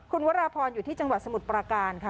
คุณวราพรอยู่ที่จังหวัดสมุทรปราการค่ะ